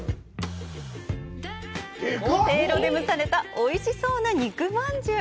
せいろで蒸されたおいしそうな肉饅頭。